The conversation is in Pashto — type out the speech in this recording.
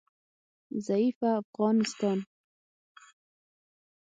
ضعیفه افغانستان